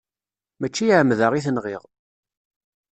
Mačči ɛemda i t-nɣiɣ.